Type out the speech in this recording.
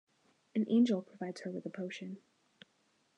An angel provides her with a potion.